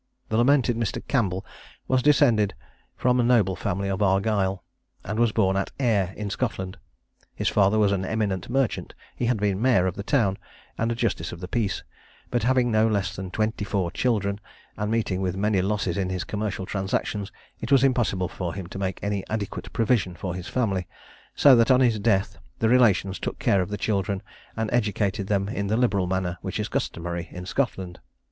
The lamented Mr. Campbell was descended from the noble family of Argyle, and was born at Ayr in Scotland. His father was an eminent merchant had been mayor of the town, and a justice of the peace; but having no less than twenty four children, and meeting with many losses in his commercial transactions, it was impossible for him to make any adequate provision for his family; so that on his death, the relations took care of the children, and educated them in the liberal manner which is customary in Scotland.